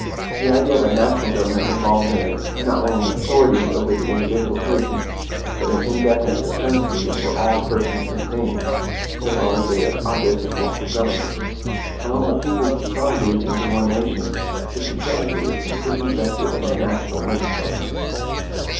The idea of a national government involves in it, not only an authority over the individual citizens, but an indefinite supremacy over all persons and things, so far as they are objects of lawful government. Among a people consolidated into one nation, this supremacy is completely vested in the national legislature.